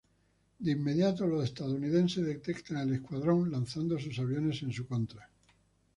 De inmediato los estadounidenses detectan al escuadrón, lanzando sus aviones en su contra.